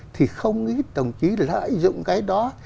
thì không ít đồng chí lợi dụng cái đó